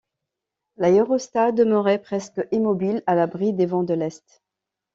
L’aérostat demeurait presque immobile, à l’abri des vents de l’est.